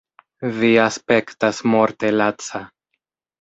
Vi aspektas morte laca.